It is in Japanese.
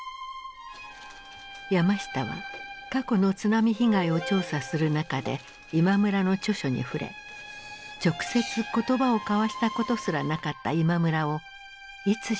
山下は過去の津波被害を調査する中で今村の著書に触れ直接言葉を交わしたことすらなかった今村をいつしか師と仰ぐようになった。